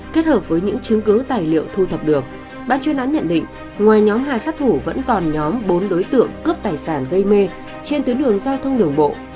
kết hợp với những chứng cứ tài liệu thu thập được ban chuyên án nhận định ngoài nhóm hà sát thủ vẫn còn nhóm bốn đối tượng cướp tài sản gây mê trên tuyến đường giao thông đường bộ